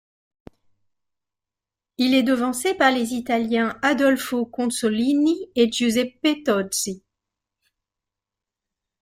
Il est devancé par les Italiens Adolfo Consolini et Giuseppe Tosi.